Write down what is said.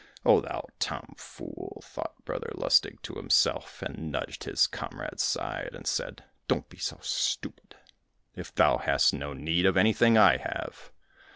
"Oh, thou tomfool!" thought Brother Lustig to himself, and nudged his comrade's side, and said, "Don't be so stupid! If thou hast no need of anything, I have."